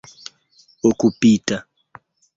okupita